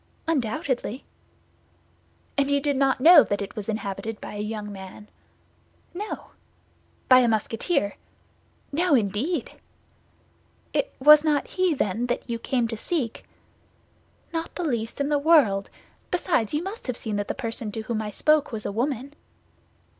"Undoubtedly." "And you did not know that it was inhabited by a young man?" "No." "By a Musketeer?" "No, indeed!" "It was not he, then, you came to seek?" "Not the least in the world. Besides, you must have seen that the person to whom I spoke was a woman."